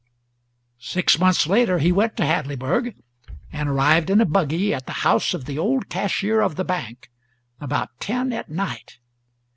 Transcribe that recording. Six months later he went to Hadleyburg, and arrived in a buggy at the house of the old cashier of the bank about ten at night.